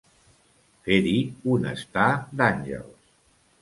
Fer-hi un estar d'àngels.